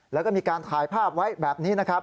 แล้วก็มีการถ่ายภาพไว้แบบนี้